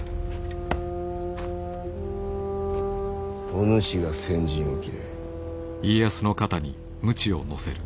お主が先陣を切れ。